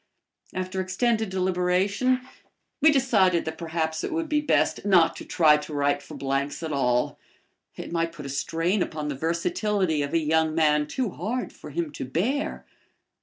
After extended deliberation, we decided that perhaps it would be best not to try to write for Blank's at all. It might put a strain upon the versatility of a young man too hard for him to bear.